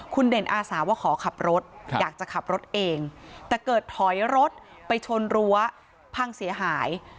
คุณเด่นอาสาว่าขอขับรถอยากจะขับรถเองแต่เกิดถอยรถไปชนรั้วพังเสียหาย